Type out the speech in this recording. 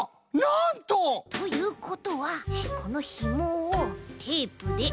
なんと！ということはこのひもをテープで。